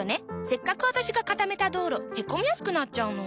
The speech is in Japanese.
せっかく私が固めた道路へこみやすくなっちゃうの。